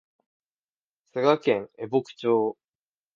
佐賀県江北町